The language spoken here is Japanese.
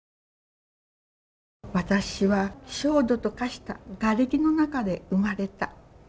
「私は焦土と化した瓦礫の中で生まれた」